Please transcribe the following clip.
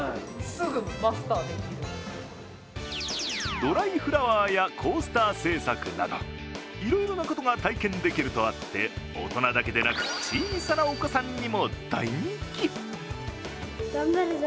ドライフラワーやコースター製作などいろいろなことが体験できるとあって大人だけでなく、小さなお子さんにも大人気。